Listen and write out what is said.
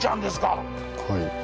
はい。